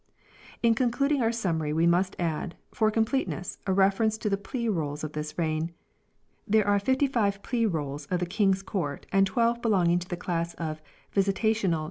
In concluding our summary we must add, for com pleteness a reference to the Plea Rolls of this reign ; there are fifty five Plea Rolls of the King's Court and twelve belonging to the class of " Visitational " juris Nos.